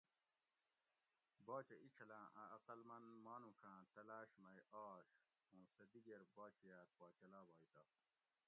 باچہ اینچھلاں ا عقل مندف مانوڛاۤں تالاۤش مئی آش اُوں سہ دِگیر باچہات پا چلاوائے تہ